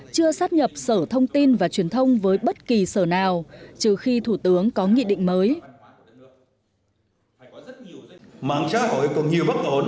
chưa sắp đến lúc để phát triển công nghệ